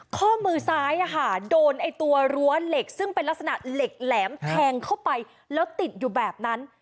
ข้อมือซ้ายโดนไอ้ตัวรั้วเหล็กซึ่งเป็นลักษณะเหล็กแหลมแทงเข้าไปแล้วติดอยู่แบบนั้น